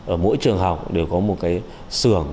ở mỗi trường học đều có một cái sưởng